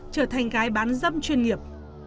trở thành gái bán dâm chuyên nghiệp